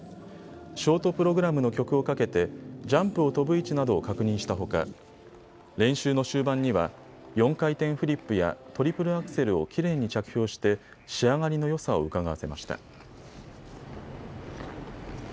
ショートプログラムの曲をかけてジャンプを跳ぶ位置などを確認したほか練習の終盤には４回転フリップやトリプルアクセルをきれいに着氷して仕上がりのよさをうかがわせました。